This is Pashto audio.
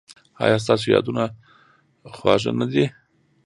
ایا ستاسو یادونه خوږه نه ده؟